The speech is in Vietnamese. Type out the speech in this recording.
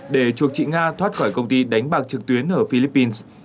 để chuộc chị nga thoát khỏi công ty đánh bạc trực tuyến ở philippines